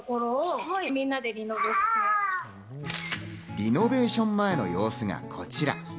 リノベーション前の様子がこちら。